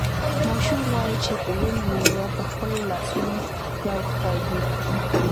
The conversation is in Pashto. ماشوم غواړي چې د ونې مېوه په خپلو لاسونو راوکاږي.